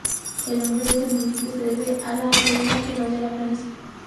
El nombre de este municipio se debe a "La Arboleda" que rodea la planicie.